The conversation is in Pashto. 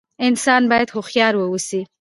انسان بايد هوښيار ووسي